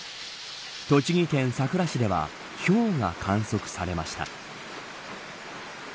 栃木県さくら市ではひょうが観測されました。